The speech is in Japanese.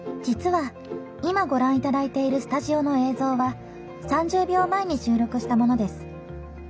実は、今、ご覧いただいているスタジオの映像は３０秒前に収録したものです。